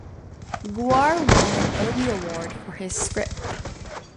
Guare won an Obie Award for his script.